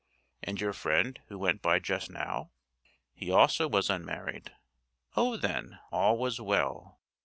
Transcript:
'And your friend who went by just now?' He also was unmarried. O then—all was well.